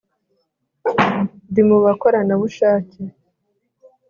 ndi mu bokorana bushake